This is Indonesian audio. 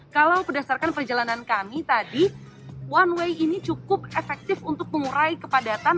kalau berdasarkan perjalanan kami tadi one way ini cukup efektif untuk mengurai kepadatan